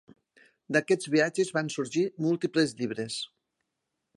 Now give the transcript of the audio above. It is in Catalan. D'aquests viatges van sorgir múltiples llibres.